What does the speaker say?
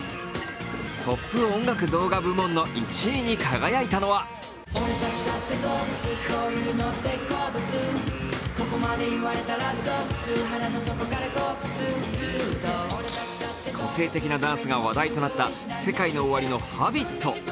トップ音楽動画部門の１位に輝いたのは個性的なダンスが話題となったＳＥＫＡＩＮＯＯＷＡＲＩの「Ｈａｂｉｔ」。